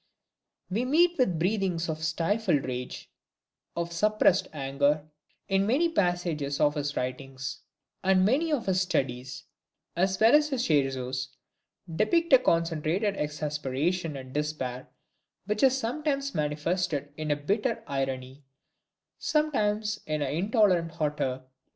We meet with breathings of stifled rage, of suppressed anger, in many passages of his writings: and many of his Studies, as well as his Scherzos, depict a concentrated exasperation and despair, which are sometimes manifested in bitter irony, sometimes in intolerant hauteur.